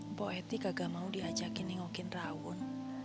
mpo eti kagak mau diajakin nengokin rawun